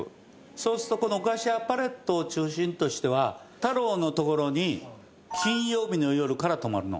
そうするとおかし屋ぱれっとを中心としては太郎の所に金曜日の夜から泊まるの。